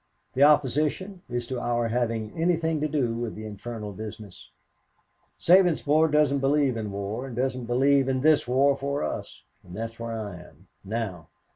The opposition is to our having anything to do with the infernal business. Sabinsport doesn't believe in war or doesn't believe in this war for us, and that's where I am now.